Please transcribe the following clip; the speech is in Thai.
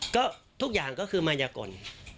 ก็ทุกอย่างก็คือมายากล